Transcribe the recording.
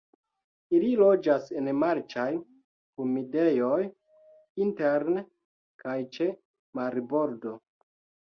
Ili loĝas en marĉaj humidejoj interne kaj ĉe marbordo.